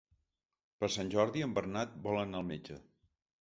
Per Sant Jordi en Bernat vol anar al metge.